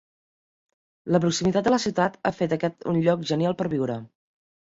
La proximitat de la ciutat ha fet aquest un lloc genial per a viure.